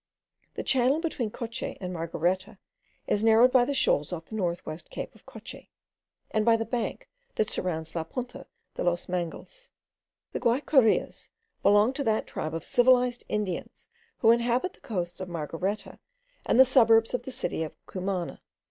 The channel between Coche and Margareta is narrowed by the shoals off the north west cape of Coche, and by the bank that surrounds La Punta de los Mangles. The Guayquerias belong to that tribe of civilized Indians who inhabit the coasts of Margareta and the suburbs of the city of Cumana.